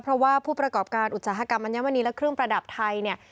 เพราะว่าผู้ประกอบการอุตสาหกรรมอัญมณีและเครื่องประดับไทยเนี่ย